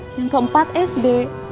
yang keempat sd